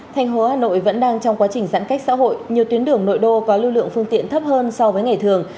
thành phố hà nội vẫn đang trong quá trình giãn cách xã hội nhiều tuyến đường nội đô có lưu lượng phương tiện thấp hơn so với ngày thường